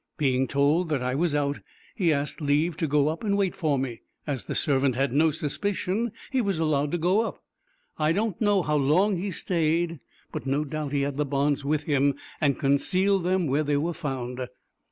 Being told that I was out, he asked leave to go up and wait for me. As the servant had no suspicion, he was allowed to go up. I don't know how long he stayed; but no doubt he had the bonds with him and concealed them where they were found."